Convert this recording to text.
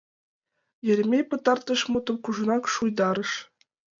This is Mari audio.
— Еремей пытартыш мутым кужунак шуйдарыш.